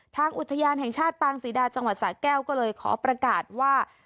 ทางอุทยานแห่งชาติปางศรีดาจังหวัดสะแก้วก็เลยขอประกาศว่า